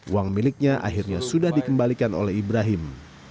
uang miliknya akhirnya sudah dikembalikan oleh ibrahim